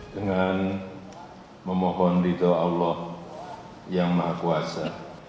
dengan memohon ridho allah yang maha kuasa